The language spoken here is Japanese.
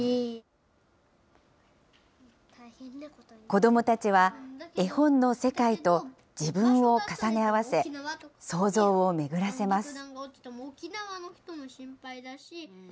子どもたちは絵本の世界と自分を重ね合わせ、想像を巡らせます。